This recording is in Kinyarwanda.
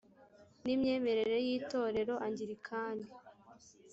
n imyemerere y itorero anglikani